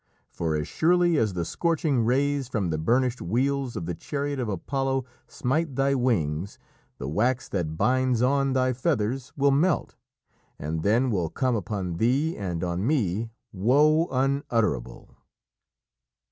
For as surely as the scorching rays from the burnished wheels of the chariot of Apollo smite thy wings, the wax that binds on thy feathers will melt, and then will come upon thee and on me woe unutterable."